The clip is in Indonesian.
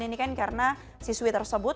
ini kan karena siswi tersebut